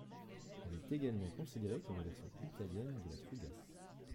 Elle est également considérée comme la version italienne de la fougasse.